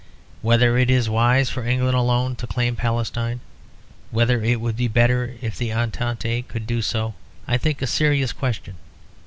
Whether it is wise for England alone to claim Palestine, whether it would be better if the Entente could do so, I think a serious question.